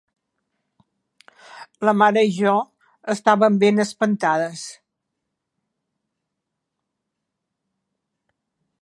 La mare i jo estàvem ben espantades.